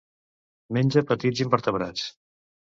Menja petits invertebrats.